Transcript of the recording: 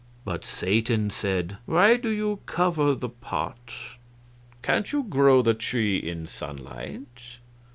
But Satan said: "Why do you cover the pot? Can't you grow the tree in the sunlight?"